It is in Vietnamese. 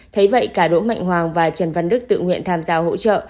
thế vậy cả đỗ mạnh hoàng và trần văn đức tự nguyện tham gia hỗ trợ